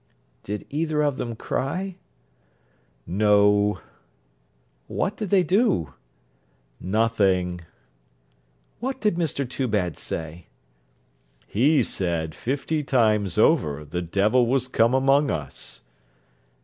'Did either of them cry?' 'No.' 'What did they do?' 'Nothing.' 'What did Mr Toobad say?' 'He said, fifty times over, the devil was come among us.'